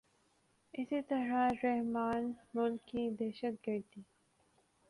اسی طرح رحمان ملک کی دہشت گردی